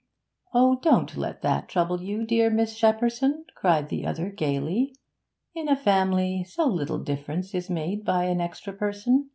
'Oh, don't let that trouble you, dear Miss Shepperson,' cried the other gaily. 'In a family, so little difference is made by an extra person.